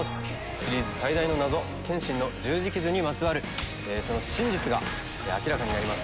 シリーズ最大の謎剣心の十字傷にまつわるその真実が明らかになります。